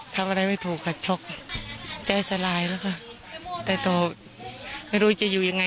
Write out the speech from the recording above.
ถ้าเหมาะกับผิดกันถ้ำอะไรไม่ถูกค่ะ